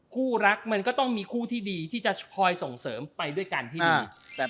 คู่รักมันก็ต้องมีคู่ที่ดีที่จะคอยส่งเสริมไปด้วยกันที่ดี